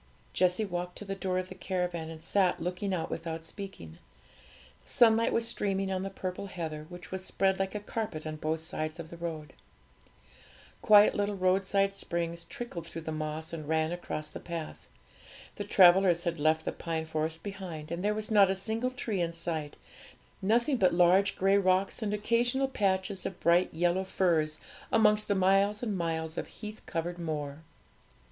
Jessie walked to the door of the caravan, and sat looking out without speaking. The sunlight was streaming on the purple heather, which was spread like a carpet on both sides of the road. Quiet little roadside springs trickled through the moss and ran across the path. The travellers had left the pine forest behind, and there was not a single tree in sight; nothing but large grey rocks and occasional patches of bright yellow furze amongst the miles and miles of heath covered moor.